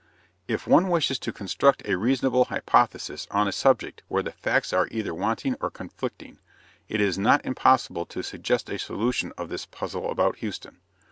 If one wishes to construct a reasonable hypothesis on a subject where the facts are either wanting or conflicting, it is not impossible to suggest a solution of this puzzle about Houston.